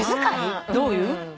どういう？